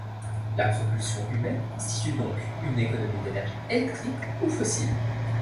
La propulsion humaine constitue donc une économie d'énergie électrique ou fossile.